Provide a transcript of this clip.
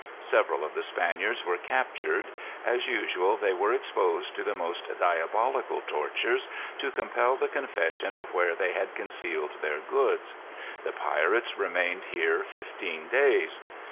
Several of the Spaniards were captured. As usual, they were exposed to the most diabolical tortures to compel the confession of where they had concealed their goods. The pirates remained here fifteen days.